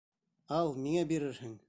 — Ал, миңә бирерһең.